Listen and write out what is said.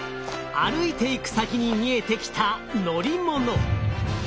歩いていく先に見えてきた乗り物。